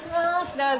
どうぞ。